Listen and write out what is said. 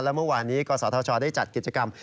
และเมื่อวานนี้กศธชได้จัดกิจกรรม